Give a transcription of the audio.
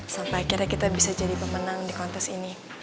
sampai akhirnya kita bisa jadi pemenang di kontes ini